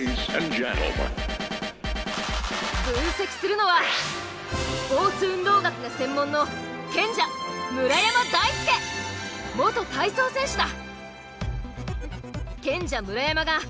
分析するのはスポーツ運動学が専門の賢者元体操選手だ。